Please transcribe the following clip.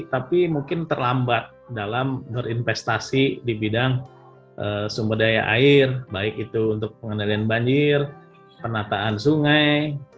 tapi mungkin terlambat dalam berinvestasi di bidang sumber daya air baik itu untuk pengendalian banjir penataan sungai